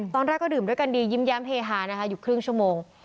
ตอนแรกก็ดื่มด้วยกันดียิ้มแย้มเฮฮานะคะอยู่ครึ่งชั่วโมง